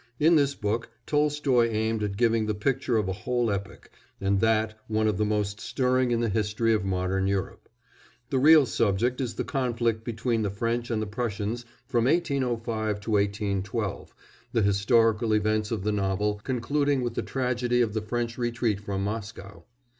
In this book Tolstoy aimed at giving the picture of a whole epoch, and that one of the most stirring in the history of modern Europe; the real subject is the conflict between the French and the Prussians from 1805 to 1812, the historical events of the novel concluding with the tragedy of the French retreat from Moscow.